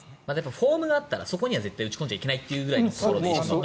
フォームがあったらそこには絶対打ち込んじゃいけないというぐらいの。